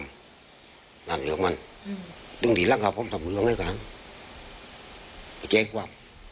น้ำเหลืองมันต้องที่ล่างว่าผมทำเรื่องให้กันไปแจ้งความ